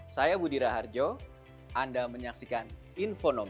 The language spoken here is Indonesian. saya budira harjo anda menyaksikan infonomi